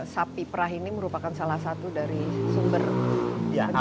sapi perah ini merupakan salah satu dari sumber pencarian